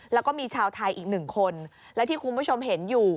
แล้วก็มีชาวไทยอีกหนึ่งคนและที่คุณผู้ชมเห็นอยู่